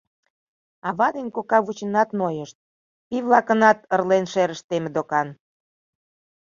Ава ден кока вученат нойышт, пий-влакынат ырлен шерышт теме докан.